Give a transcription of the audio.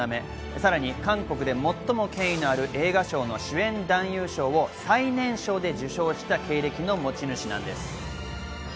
さらに、韓国で最も権威のある映画賞の主演男優賞を最年少で受賞した経歴の持ち主なんです。